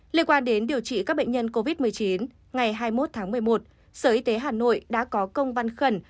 liên quan đến điều trị các bệnh nhân covid một mươi chín ngày hai mươi một tháng một mươi một sở y tế hà nội đã có công văn khẩn